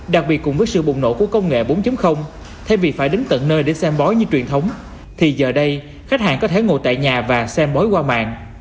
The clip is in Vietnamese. đặc biệt cùng với sự bùng nổ của công nghệ bốn thay vì phải đến tận nơi để xem bói như truyền thống thì giờ đây khách hàng có thể ngồi tại nhà và xem bói qua mạng